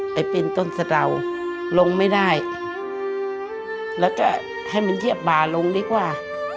ไปเป็นต้นสะดาวลงไม่ได้แล้วก็ให้มันเยียบบาลงดีกว่า